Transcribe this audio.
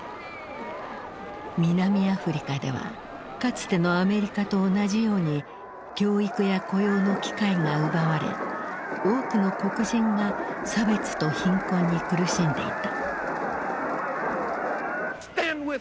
南アフリカではかつてのアメリカと同じように教育や雇用の機会が奪われ多くの黒人が差別と貧困に苦しんでいた。